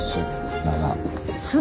７。